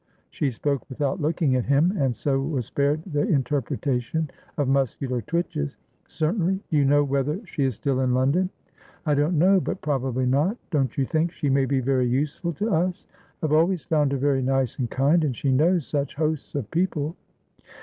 She spoke without looking at him, and so was spared the interpretation of muscular twitches. "Certainly. Do you know whether she is still in London?" "I don't know, but probably not. Don't you think she may be very useful to us? I have always found her very nice and kind, and she knows such hosts of people."